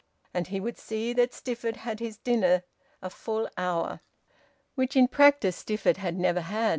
And he would see that Stifford had for his dinner a full hour; which in practice Stifford had never had.